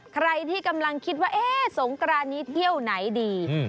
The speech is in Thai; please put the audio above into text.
ใครที่กำลังคิดว่าเอ๊ะสงกรานนี้เที่ยวไหนดี